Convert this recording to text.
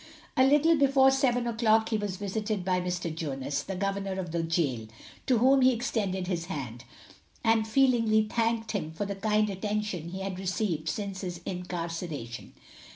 A little before seven o'clock he was visited by Mr. Jonas, the governor of the gaol, to whom he extended his hand, and feelingly thanked him for the kind attention he had received since his incarceration.